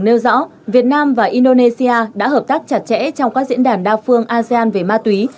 lê quốc hùng nêu rõ việt nam và indonesia đã hợp tác chặt chẽ trong các diễn đàn đa phương asean về ma túy